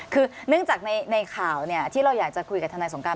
คือเนื่องจากในข่าวที่เราอยากจะคุยกับทนายสงการ